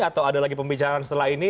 atau ada lagi pembicaraan setelah ini